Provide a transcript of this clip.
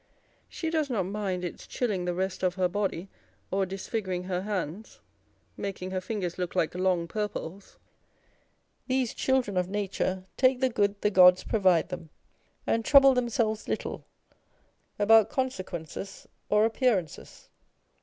She does not mind its chilling the rest of her body or disfiguring her hands, making her fingers look like "long purples" â€" these children of nature "take the good the gods provide them," and trouble themselves little about consequences or appearances.